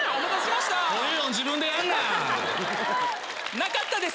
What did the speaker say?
なかったです。